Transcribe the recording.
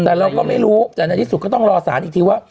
แต่เราก็ไม่รู้แต่ในที่สุดก็ต้องรอสารอีกทีว่า